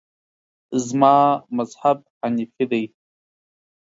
زما مذهب حنیفي دی.